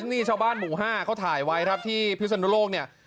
นี่ชาวบ้านหมู่๕เขาถ่ายไว้ครับที่พิศนุโลกเนี่ย